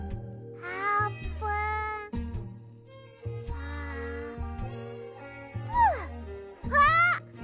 あーぷんっ！あっ！